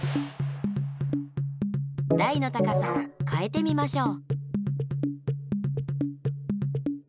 台の高さをかえてみましょう。